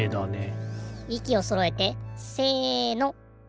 いきをそろえてせの。